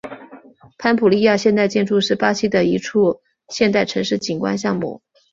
潘普利亚现代建筑是巴西的一处现代城市景观项目。